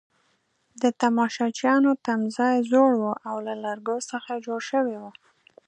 د تماشچیانو تمځای زوړ وو او له لرګو څخه جوړ شوی وو.